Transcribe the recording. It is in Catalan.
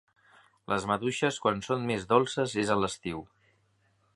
Les maduixes, quan són més dolces és a l'estiu.